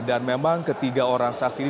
dan memang ketiga orang saksi ini